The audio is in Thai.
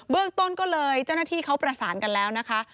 เรื่องต้นก็เลยเจ้าหน้าที่เขาประสานกันแล้วนะคะ